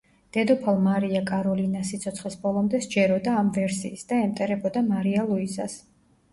დედოფალ მარია კაროლინას სიცოცხლის ბოლომდე სჯეროდა ამ ვერსიის და ემტერებოდა მარია ლუიზას.